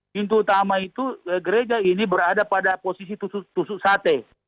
pintu utama itu gereja ini berada pada posisi tusuk sate